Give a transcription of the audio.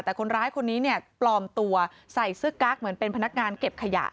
แต่คนร้ายคนนี้เนี่ยปลอมตัวใส่เสื้อกั๊กเหมือนเป็นพนักงานเก็บขยะ